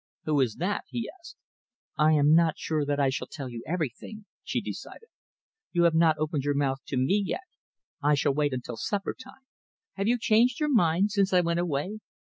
"Who is that?" he asked. "I am not sure that I shall tell you everything," she decided. "You have not opened your mouth to me yet. I shall wait until supper time. Have you changed your mind since I went away?"